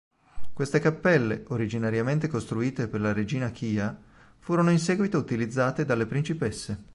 Queste cappelle, originariamente costruite per la regina Kiya, furono in seguito utilizzate dalle principesse.